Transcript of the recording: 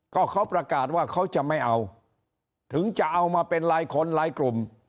ก็เขาประกาศว่าเขาจะไม่เอาถึงจะเอามาเป็นรายคนรายกลุ่ม